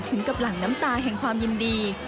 ถึงกับหลังน้ำตาแห่งความยินดี